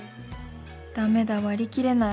だめだ割り切れない。